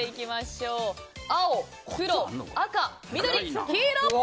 青、黒、赤、緑、黄色。